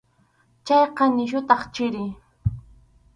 Chayqa nisyutaq chiri.